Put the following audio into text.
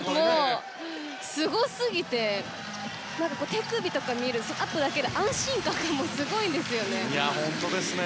すごすぎて手首とか見るだけで安心感がすごいですよね。